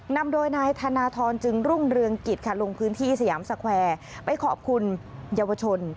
นำโดยนายธนทรจึงรุ่งเรืองกิจค่ะลงพื้นที่สยามสแควร์ไปขอบคุณเยาวชน